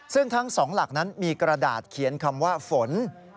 ซึ่งทั้ง๒หลักนั้นมีกระดาษเขียนคำว่าฝน